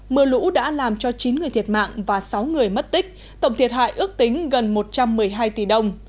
mưa lũ đã làm cho chín người thiệt mạng và sáu người mất tích tổng thiệt hại ước tính gần một trăm một mươi hai tỷ đồng